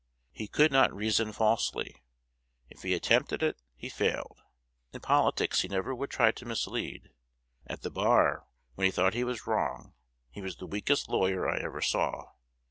He could not reason falsely: if he attempted it, he failed. In politics he never would try to mislead. At the bar, when he thought he was wrong, he was the weakest lawyer I ever saw.